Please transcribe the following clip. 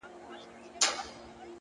مثبت ذهن ناامیدي کمزورې کوي؛